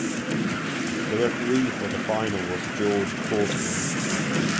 The referee for the final was George Courtney.